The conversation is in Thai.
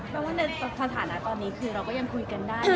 แปลว่าในสถานะตอนนี้คือเราก็ยังคุยกันได้